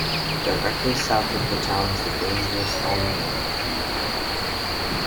Directly south of the town is the dangerous High Moor.